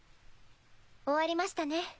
終わりましたね。